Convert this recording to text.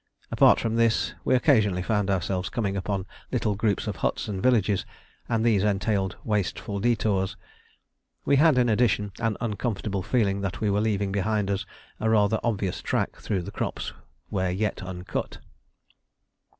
Apart from this, we occasionally found ourselves coming upon little groups of huts and villages, and these entailed wasteful detours. We had, in addition, an uncomfortable feeling that we were leaving behind us a rather obvious track through the crops where yet uncut.